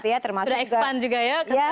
ya sudah ekspand juga ya